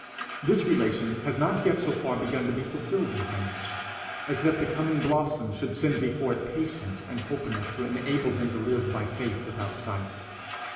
This relation has not yet so far begun to be fulfilled in him, as that the coming blossom should send before it patience and hope enough to enable him to live by faith without sight.